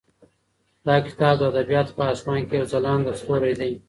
دا کتاب د ادبیاتو په اسمان کې یو ځلانده ستوری دی.